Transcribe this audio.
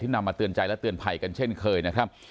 นำมาเตือนใจและเตือนภัยกันเช่นเคยนะครับ